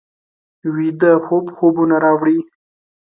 ویده خوب خوبونه راوړي